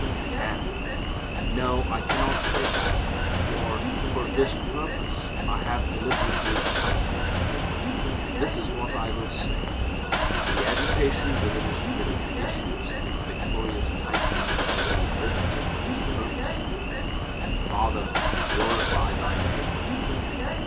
He can. No, I cannot say that, for for this purpose I have deliberately come to it. This is what I will say and the agitation within His spirit issues in the victorious tightening of every rivet in His purpose 'Father, glorify Thy name.'"